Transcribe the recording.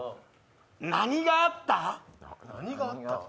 何があった？